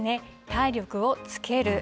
体力をつける。